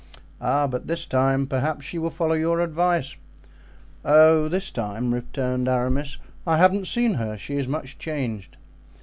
"Oh, but this time perhaps she will follow your advice." "Oh, this time," returned Aramis, "I haven't seen her; she is much changed."